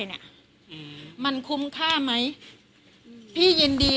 กินโทษส่องแล้วอย่างนี้ก็ได้